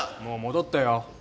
もう戻ったよ。